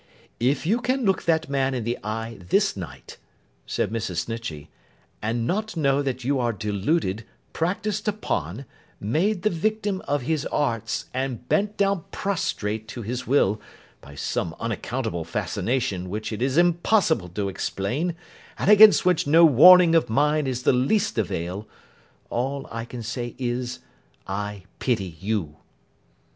'If you can look that man in the eye this night,' said Mrs. Snitchey, 'and not know that you are deluded, practised upon, made the victim of his arts, and bent down prostrate to his will by some unaccountable fascination which it is impossible to explain and against which no warning of mine is of the least avail, all I can say is—I pity you!